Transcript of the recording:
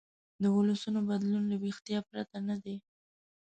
د ولسونو بدلون له ویښتیا پرته نه دی.